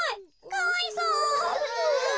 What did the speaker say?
かわいそう。